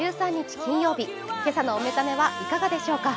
金曜日、今朝のお目覚めはいかがでしょうか。